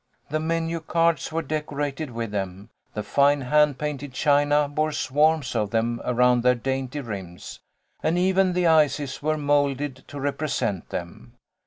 The menu cards were decorated with them, the fine hand painted china bore swarms of them around their dainty rims, and even the ices were moulded to represent them.